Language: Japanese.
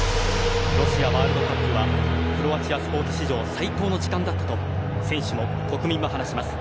ロシアワールドカップはクロアチアスポーツ史上最高の時間だったと選手も国民も話します。